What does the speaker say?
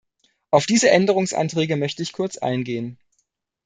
Auf diese Änderungsanträge möchte ich kurz eingehen.